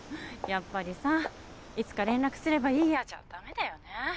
やっぱりさいつか連絡すればいいやじゃ駄目だよね。